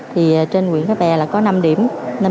thì trên quyền khái bè là có năm điểm